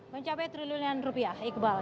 mencapai triliunan rupiah iqbal